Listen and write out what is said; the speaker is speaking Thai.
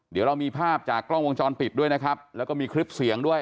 เดี๋ยวเรามีภาพจากกล้องวงจรปิดด้วยนะครับแล้วก็มีคลิปเสียงด้วย